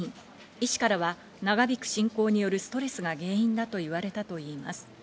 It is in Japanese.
医師からは長引く侵攻によるストレスが原因だと言われたといいます。